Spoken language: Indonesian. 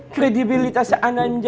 kredibilitas balkan jadi taruhannya